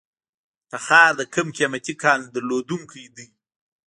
تخار د کوم قیمتي کان لرونکی دی؟